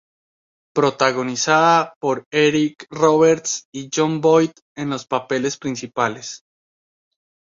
Protagonizada por Eric Roberts y Jon Voight en los papeles principales.